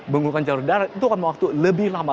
menggunakan jalur darat itu akan waktu lebih lama